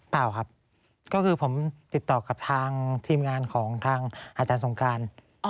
เปล่าครับก็คือผมติดต่อกับทางทีมงานของทางอาจารย์สงการ